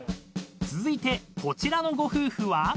［続いてこちらのご夫婦は？］